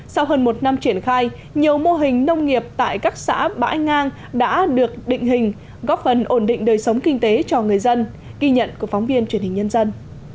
sau hơn một năm triển khai nhiều mô hình nông nghiệp tại các xã bãi ngang đã được định hình góp phần ổn định đời sống kinh tế cho người dân ghi nhận của phóng viên truyền hình nhân dân